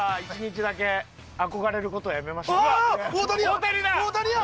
大谷や！